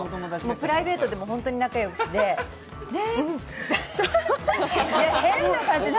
プライベートでもホントに仲良しで。